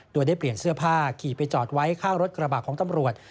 โดยได้เปลี่ยนเสื้อผ้าขี่ไปจอดไว้ข้างรถกระบะของตำรวจ